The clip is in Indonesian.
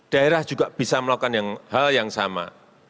daerah juga bisa melakukan hal yang sama